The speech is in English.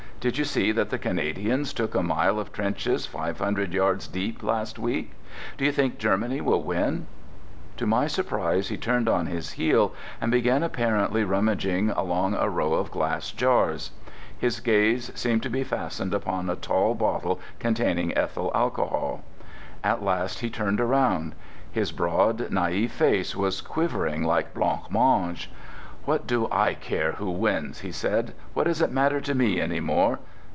Did you see that the Canadians took a mile of trenches five hundred yards deep last week? Do you still think Germany will win?" To my surprise he turned on his heel and began apparently rummaging along a row of glass jars. His gaze seemed to be fastened upon a tall bottle containing ethyl alcohol. At last he turned round. His broad, naïve face was quivering like blanc mange. "What do I care who wins?" he said. "What does it matter to me any more?